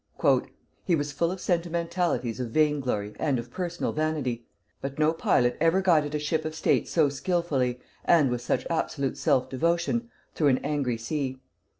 "He was full of sentimentalities of vainglory and of personal vanity; but no pilot ever guided a ship of state so skilfully and with such absolute self devotion through an angry sea.